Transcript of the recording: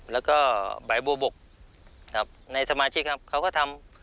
แล้วก็ใบบัวบกครับในสมาชิกครับเขาก็ทำ